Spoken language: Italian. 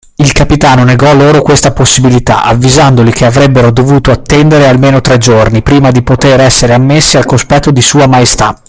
Il capitano negò loro questa possibilità, avvisandoli che avrebbero dovuto attendere almeno tre giorni prima di poter essere ammessi al cospetto di Sua Maestà.